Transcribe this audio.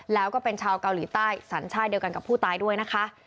แล้วก็เป็นชาวเกาหลีใต้สัญชาติเดียวกันกับผู้ตายด้วยนะคะ